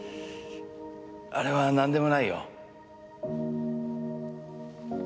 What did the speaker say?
あれはなんでもないよ。